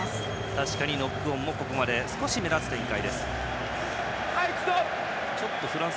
確かにノックオンもここまで少し目立つ展開。